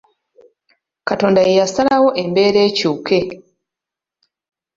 Katonda ye yasalawo embeera ekyuke !